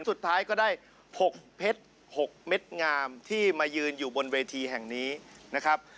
สุดท้ายก็ได้๖เพชร๖เม็ดงามที่มายืนอยู่บนเวทีแห่งนี้นะครับ